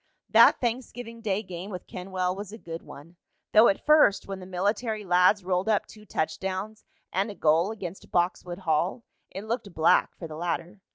That Thanksgiving Day game with Kenwell was a good one, though at first, when the military lads rolled up two touchdowns and a goal against Boxwood Hall, it looked black for the latter.